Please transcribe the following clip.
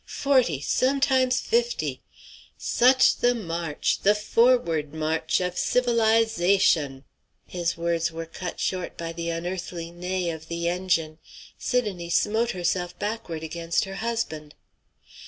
Forty, sometimes fifty! Such the march, the forward march of civilize ation!" His words were cut short by the unearthly neigh of the engine. Sidonie smote herself backward against her husband.